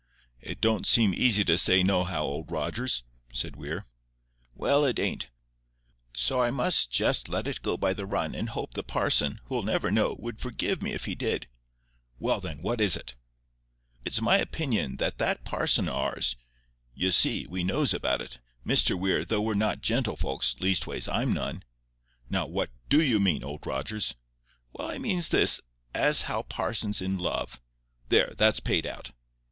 "It don't seem easy to say no how, Old Rogers," said Weir. "Well, it ain't. So I must just let it go by the run, and hope the parson, who'll never know, would forgive me if he did." "Well, then, what is it?" "It's my opinion that that parson o' ours—you see, we knows about it, Mr Weir, though we're not gentlefolks—leastways, I'm none." "Now, what DO you mean, Old Rogers?" "Well, I means this—as how parson's in love. There, that's paid out."